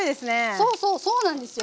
そうそうそうなんですよ。